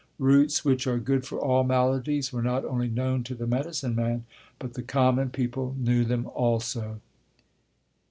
Roots which are good for all maladies were not only known to the medicine man, but the common people knew them also.